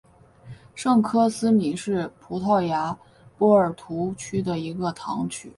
圣科斯米是葡萄牙波尔图区的一个堂区。